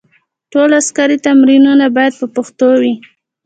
ټول عسکري تمرینونه باید په پښتو وي.